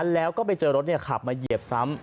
แล้วก็ไปเจอรถขับมาเหยียบซ้ำ